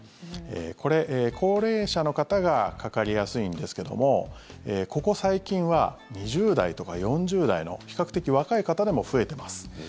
これ、高齢者の方がかかりやすいんですけどもここ最近は２０代とか４０代の比較的若い方でも増えています。